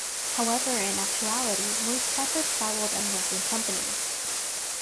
However, in actuality, most trappers traveled and worked in companies.